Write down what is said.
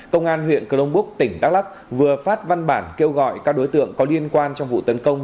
công an huyện cơ long búc tỉnh đắk lắc vừa phát văn bản kêu gọi các đối tượng có liên quan trong vụ tấn công